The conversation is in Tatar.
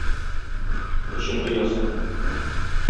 Җен оясы.